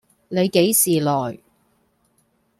你幾時來